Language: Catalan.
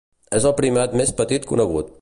És el primat més petit conegut.